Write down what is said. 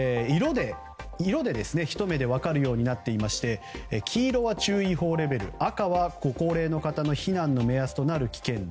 色で、ひと目で分かるようになっていまして黄色は注意報レベル赤はご高齢の方の避難の目安となる危険度